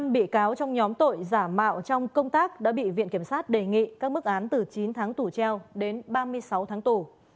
năm bị cáo trong nhóm tội giả mạo trong công tác đã bị viện kiểm sát đề nghị các mức án từ chín tháng tù treo đến ba mươi sáu tháng tù